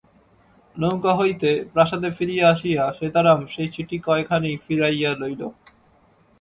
নৌকা হইতে প্রাসাদে ফিরিয়া আসিয়া সীতারাম সেই চিঠি কয়খানি ফিরাইয়া লইল।